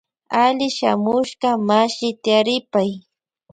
Alli shamushka mashi tiaripay.